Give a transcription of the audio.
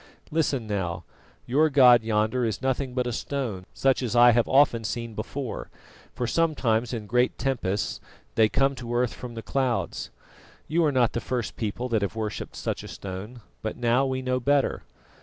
Listen now: your god yonder is nothing but a stone such as I have often seen before, for sometimes in great tempests they come to earth from the clouds. You are not the first people that have worshipped such a stone, but now we know better.